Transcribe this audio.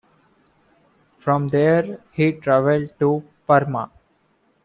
From there, he traveled to Parma.